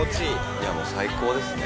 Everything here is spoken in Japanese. いや、もう最高ですね。